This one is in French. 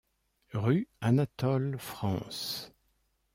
Rue Anatole France.